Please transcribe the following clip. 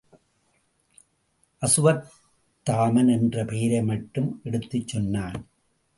அசுவத்தாமன் என்ற பெயரை மட்டும் எடுத்துச் சொன்னான்.